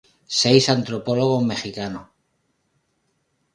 Seis antropólogos mexicanos".